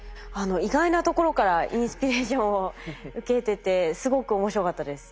意外なところからインスピレーションを受けててすごく面白かったです。